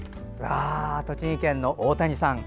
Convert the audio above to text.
栃木県の大谷さん。